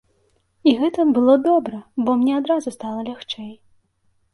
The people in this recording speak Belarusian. І гэта было добра, бо мне адразу стала лягчэй.